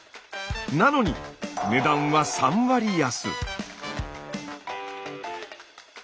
なのに値段は３割安。